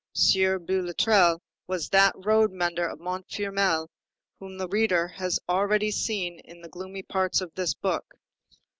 Sieur Boulatruelle was that road mender of Montfermeil whom the reader has already seen in the gloomy parts of this book.